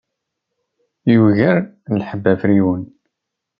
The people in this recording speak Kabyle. Yettugar lḥebb afriwen.